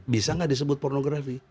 bisa nggak disebut pornografi